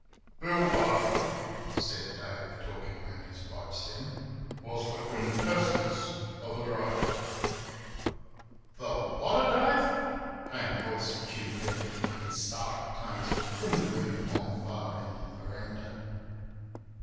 "Bill Barker," said Dave, talking round his pipe stem, "was the quintessence of a drover—" "The whatter, Dave?" came the voice of Jim Bentley, in startled tones, from the gloom on the far end of the veranda.